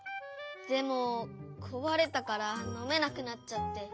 でもこわれたからのめなくなっちゃって。